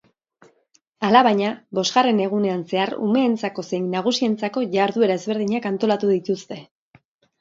Alabaina, bosgarren egunean zehar umeentzako zein nagusientzako jarduera ezberdinak antolatu dituzte.